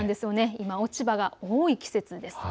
今、落ち葉が多い季節です。